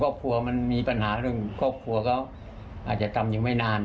ครอบครัวมันมีปัญหาเรื่องครอบครัวเขาอาจจะทำยังไม่นาน